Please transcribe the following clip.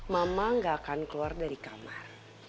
mama gak akan keluar dari kamar